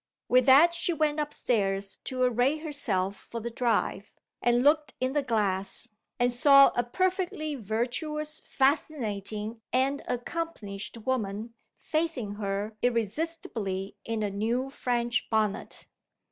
With that she went up stairs to array herself for the drive, and looked in the glass; and saw a perfectly virtuous, fascinating, and accomplished woman, facing her irresistibly in a new French bonnet!